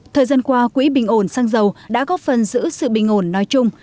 thời gian qua quỹ bình ổn sang giàu đã góp phần giữ sự bình ổn nói chung